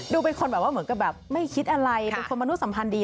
ดูแบบไม่คิดอะไรมนุษย์สัมพันธ์ดี